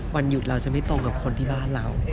วันหยุดเราจะไม่ตรงกับคนที่บ้านเรา